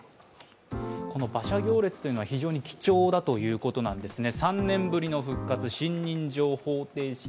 この馬車行列というのは非常に貴重だということなんですね。